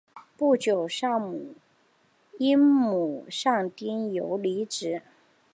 不久因母丧丁忧离职。